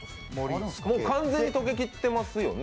完全に溶けきってますよね。